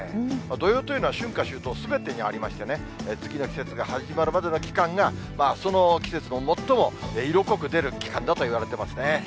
土用というのは、春夏秋冬すべてにありましてね、次の季節が始まるまでの期間が、その季節の最も色濃く出る期間だといわれていますね。